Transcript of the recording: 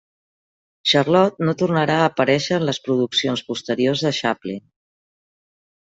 Charlot no tornarà a aparèixer en les produccions posteriors de Chaplin.